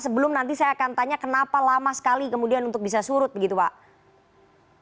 sebelum nanti saya akan tanya kenapa lama sekali kemudian untuk bisa surut begitu pak